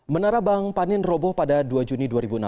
menara bang panin roboh pada dua juni dua ribu enam belas